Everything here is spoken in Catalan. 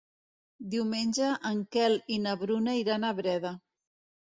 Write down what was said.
Diumenge en Quel i na Bruna iran a Breda.